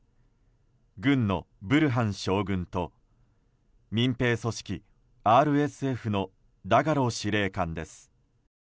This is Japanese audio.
軍のブルハン将軍と民兵組織ＲＳＦのダガロ司令官です。